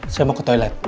saya mau ke toilet